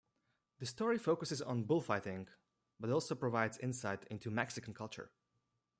The story focuses on bullfighting, but also provides insight into Mexican culture.